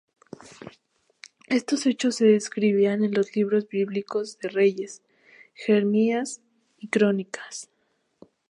Estos hechos se describen en los libros bíblicos de Reyes, Jeremías y Crónicas.